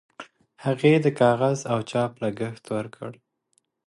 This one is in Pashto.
هغې د کاغذ او چاپ لګښت ورکړ.